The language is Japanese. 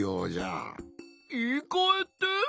いいかえって？